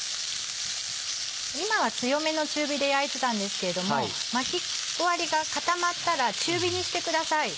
今は強めの中火で焼いてたんですけれども巻き終わりが固まったら中火にしてください。